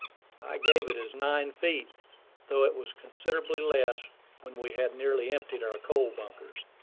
I gave it as nine feet, though it was considerably less when we had nearly emptied our coal bunkers.